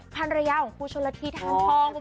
พันรยาของครูชะวะธีธานทอง